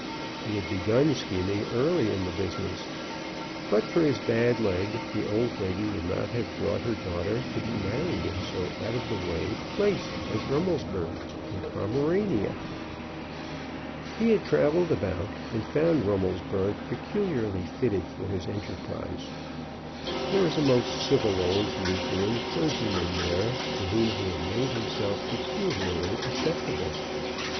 He had begun scheming early in the business. But for his bad leg the old lady would not have brought her daughter to be married at so out of the way a place as Rummelsburg, in Pomerania. He had travelled about and found Rummelsburg peculiarly fitted for his enterprise. There was a most civil old Lutheran clergyman there, to whom he had made himself peculiarly acceptable.